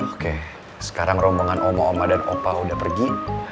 oke sekarang rombongan oma oma dan opa udah pergi